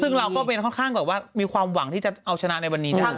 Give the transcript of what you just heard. ซึ่งเราก็เป็นค่อนข้างแบบว่ามีความหวังที่จะเอาชนะในวันนี้ได้